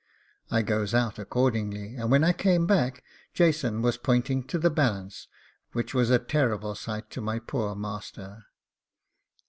I goes out accordingly, and when I came back Jason was pointing to the balance, which was a terrible sight to my poor master.